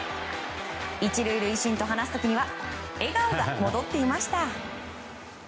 １塁塁審と話す時には笑顔が戻っていました。